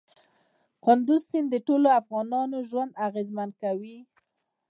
کندز سیند د ټولو افغانانو ژوند اغېزمن کوي.